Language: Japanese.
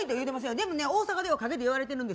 でも大阪では陰で言われてるんです。